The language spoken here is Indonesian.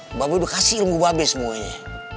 mba be udah kasih ilmu mba be semuanya